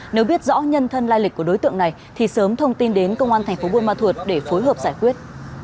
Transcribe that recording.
nếu biết rõ nhân thân lai lịch của đối tượng này thì sớm thông tin đến công an thành phố buôn ma thuột để phối hợp giải quyết